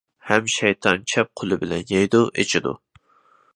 ھەم شەيتان چەپ قولى بىلەن يەيدۇ، ئىچىدۇ.